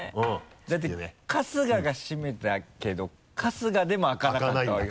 だって春日が閉めたけど春日でも開かなかったわけだから。